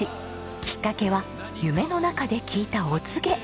きっかけは夢の中で聞いたお告げ。